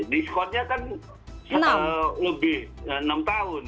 diskonnya kan lebih enam tahun